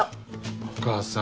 お母さん。